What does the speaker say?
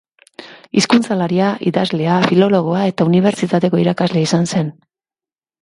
Hizkuntzalaria, idazlea, filologoa eta unibertsitateko irakaslea izan zen.